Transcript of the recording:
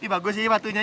bagus sih matunya